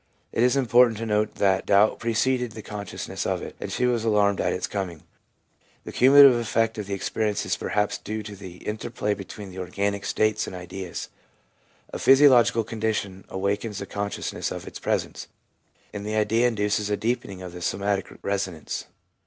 It is important to note that doubt preceded the conscious ness of it, and she was alarmed at its coming. The cumulative effect of the experiences is perhaps due to the interplay between the organic states and ideas. A physiological condition awakens the consciousness of its presence, and the idea induces a deepening of the somatic resonance.